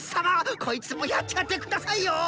こいつもやっちゃって下さいよぉ！